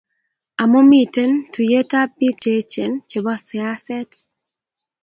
amu miten tuiyetab biik cheechen chebo siaset